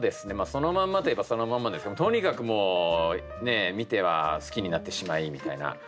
そのまんまと言えばそのまんまですけどとにかくもう見ては好きになってしまいみたいな。